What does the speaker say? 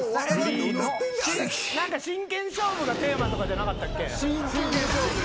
真剣勝負がテーマとかじゃなかったっけ。